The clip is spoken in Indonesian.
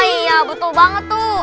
iya betul banget tuh